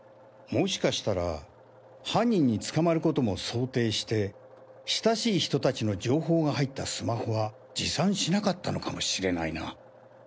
もしかしたら犯人に捕まることも想定して親しい人達の情報が入ったスマホは持参しなかったのかもしれないな。